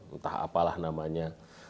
entah apalah namanya